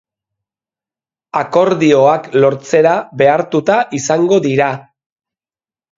Akordioak lortzera behartuta izango dira.